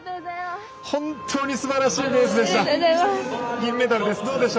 本当にすばらしいレースでした。